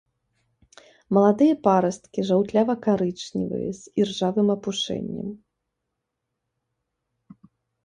Маладыя парасткі жаўтлява-карычневыя, з іржавым апушэннем.